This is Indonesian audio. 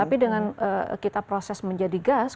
tapi dengan kita proses menjadi gas